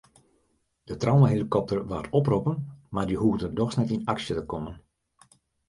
De traumahelikopter waard oproppen mar dy hoegde dochs net yn aksje te kommen.